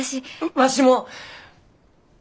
わしも！